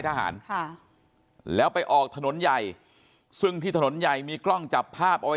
ทหารค่ะแล้วไปออกถนนใหญ่ซึ่งที่ถนนใหญ่มีกล้องจับภาพเอาไว้